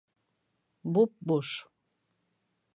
Буп-буш!